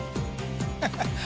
ハハハ ）